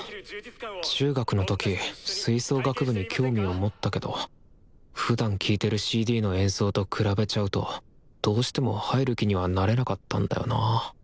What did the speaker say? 中学の時吹奏楽部に興味を持ったけどふだん聴いてるＣＤの演奏と比べちゃうとどうしても入る気にはなれなかったんだよなぁ。